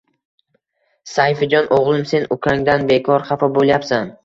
“Sayfijon, o‘g‘lim, sen ukangdan bekor xafa bo‘lyapsan